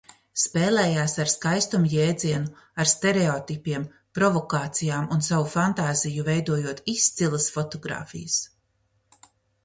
Spēlējās ar skaistuma jēdzienu, ar stereotipiem, provokācijām un savu fantāziju, veidojot izcilas fotogrāfijas.